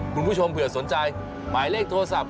คุณผู้ชมเผื่อสนใจหมายเลขโทรศัพท์